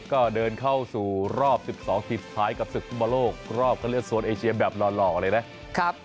ก็เดินเข้าสู่รอบ๑๒ทีสุดท้ายกับศึกภูมิโลกรอบคันเลือกสวนเอเชียแบบหล่อหลอกเลยนะครับ